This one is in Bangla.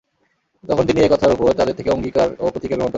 তখন তিনি এ কথার উপর তাদের থেকে অঙ্গীকার ও প্রতিজ্ঞা গ্রহণ করেন।